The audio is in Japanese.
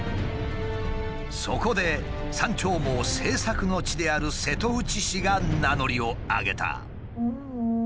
そこで「山鳥毛」製作の地である瀬戸内市が名乗りを上げた。